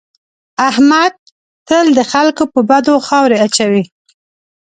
احمد تل د خلکو په بدو خاورې اچوي.